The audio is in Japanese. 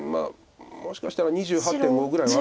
もしかしたら２８．５ぐらいは。